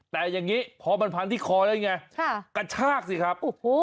แต่อย่างนี้พอมันพันที่คอได้ไงกระชากสิครับ